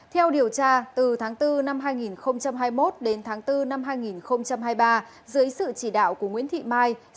theo điều tra từ tháng bốn năm hai nghìn hai mươi một đến tháng bốn năm hai nghìn hai mươi ba dưới sự chỉ đạo của nguyễn thị mai